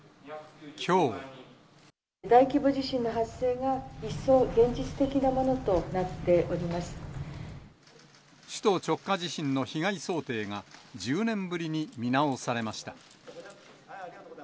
大規模地震の発生が一層現実首都直下地震の被害想定が１０年ぶりに見直されました。